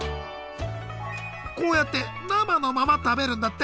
こうやって生のまま食べるんだって。